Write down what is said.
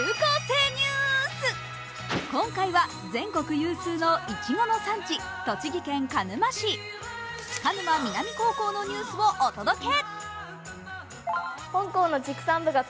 今回は全国有数のいちごの産地、栃木県鹿沼市、鹿沼南高校のニュースをお届け。